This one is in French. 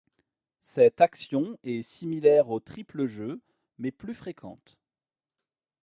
Cette action est similaire au triple jeu, mais plus fréquente.